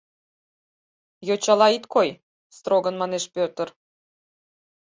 — Йочала ит кой... — строгын манеш Пӧтыр.